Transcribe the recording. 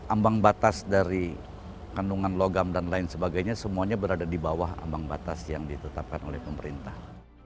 ambang batas dari kandungan logam dan lain sebagainya semuanya berada di bawah ambang batas yang ditetapkan oleh pemerintah